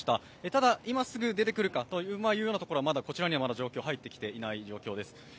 ただ今すぐ出てくるかというようなところは、まだこちらには入ってきていない状況です。